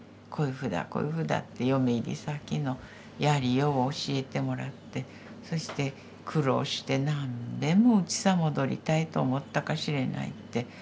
こういうふうだこういうふうだって嫁入り先のやりようを教えてもらってそして苦労して何べんもうちさ戻りたいと思ったかしれないって。